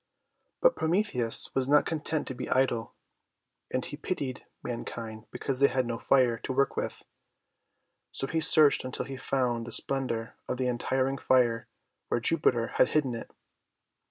But Prometheus was not content to be idle, and he pitied mankind because they had no Fire to work with. So he searched until he found the splendour of the untiring Fire where Jupiter had hidden it.